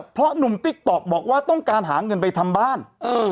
เพราะหนุ่มติ๊กต๊อกบอกว่าต้องการหาเงินไปทำบ้าน